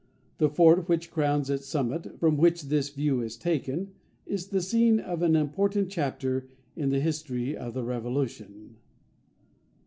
The fort which crowns its summit (from which this view is taken) is the scene of an important chapter in the history of the Revolution.